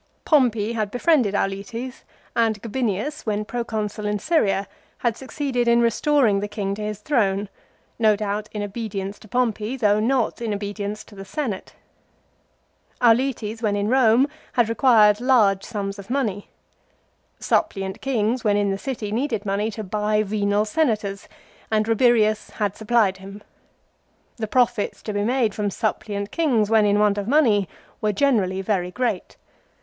Pompey had befriended Auletes, and Gabinius, when Proconsul in Syria, had succeeded in restoring the king to his throne, no doubt in obedience to Pompey, though not in obedience to the Senate. Auletes, when in Rome, had re quired large sums of money. Suppliant kings when in the city needed money to buy venal Senators, and Rabirius had supplied him. The profits to be made from suppliant kings when in want of money were generally very great.